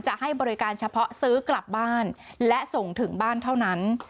ให้บริการเฉพาะซื้อกลับบ้านและส่งถึงบ้านเท่านั้น